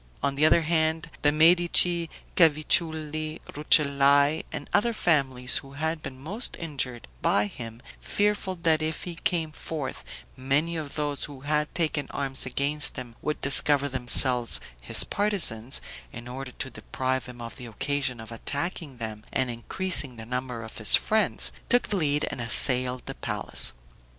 On the other hand, the Medici, Cavicciulli, Rucellai, and other families who had been most injured by him, fearful that if he came forth, many of those who had taken arms against him would discover themselves his partisans, in order to deprive him of the occasion of attacking them and increasing the number of his friends, took the lead and assailed the palace.